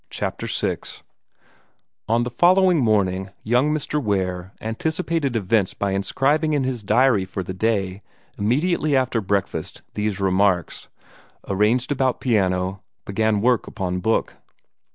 CHAPTER VI On the following morning young Mr. Ware anticipated events by inscribing in his diary for the day, immediately after breakfast, these remarks: "Arranged about piano. Began work upon book."